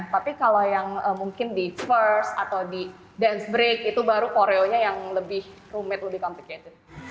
tapi kalau yang mungkin di first atau di dance break itu baru koreanya yang lebih rumit lebih complicated